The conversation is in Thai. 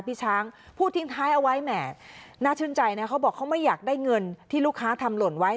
พี่ช้างพูดทิ้งท้ายเอาไว้แหม่น่าชื่นใจนะเขาบอกเขาไม่อยากได้เงินที่ลูกค้าทำหล่นไว้